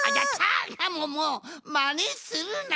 もうまねするな！